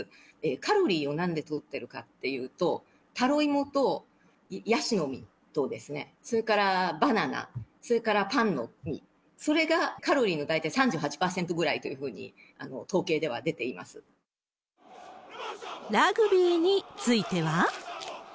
カロリーを何でとっているかっていうと、タロイモとヤシの実と、それからバナナ、それからパンの実、それがカロリーの大体３８％ぐらいというふうに統計では出ていまラグビーについては。